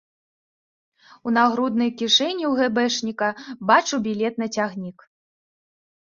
У нагруднай кішэні ў гэбэшніка бачу білет на цягнік.